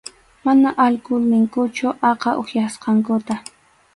Mana alkul ninkuchu aqha upyasqankuta.